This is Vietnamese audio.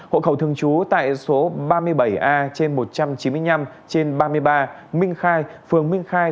hộ khẩu thường trú tại số ba mươi bảy a trên một trăm chín mươi năm trên ba mươi ba minh khai phường minh khai